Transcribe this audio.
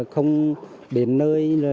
không đến nơi